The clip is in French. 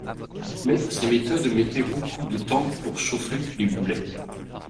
Mais ces méthodes mettaient beaucoup de temps pour chauffer les boulets.